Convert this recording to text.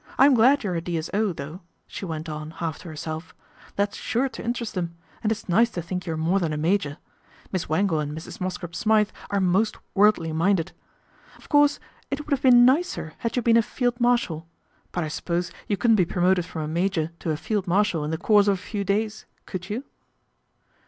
I'm glad you're a D.S.O., though," she went on, half to herself, " that's sure to interest them, and it's nice to think you're more than a major. Miss Wangle anc Mrs. Mosscrop Smythe are most worldly minded. Of course it would have been nicer had you been a field marshal ; but I suppose ADVENTURE AT THE QUADRANT 37 you couldn't be promoted from a major to a field marshal in the course of a few days, could you?"